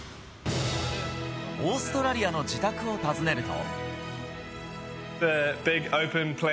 オーストラリアの自宅を訪ねると・・・。